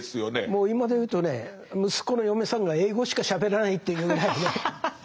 もう今でいうとね息子の嫁さんが英語しかしゃべらないというぐらいね。